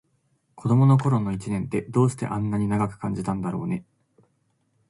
子どもの頃の一年って、どうしてあんなに長く感じたんだろうね。